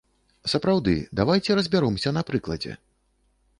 Сапраўды, давайце разбяромся на прыкладзе.